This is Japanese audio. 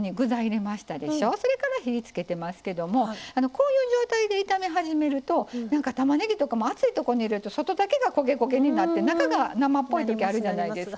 こういう状態で炒め始めるとたまねぎとかも熱いとこに入れると外だけが焦げ焦げになって中が生っぽいときあるじゃないですか。